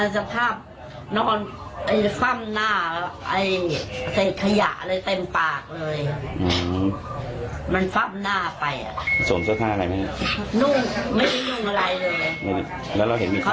ส่วนเสื้อถ้าจะใส่เสื้อตัวเดียว